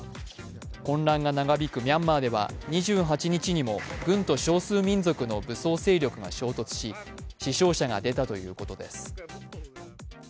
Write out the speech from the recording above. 混乱が長引くミャンマーでは２８日にも軍と少数民族の武装勢力が衝突し死傷者が出たということです。